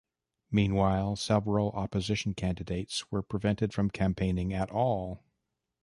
Meanwhile, several opposition candidates were prevented from campaigning at all.